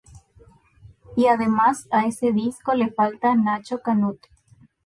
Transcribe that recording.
Y además, a ese disco le falta Nacho Canut.